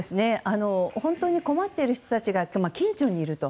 本当に困っている人が近所にいると。